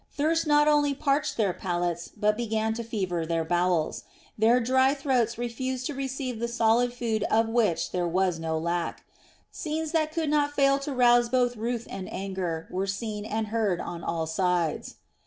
Thirst not only parched their palates but began to fever their bowels. Their dry throats refused to receive the solid food of which there was no lack. Scenes that could not fail to rouse both ruth and anger were seen and heard on all sides.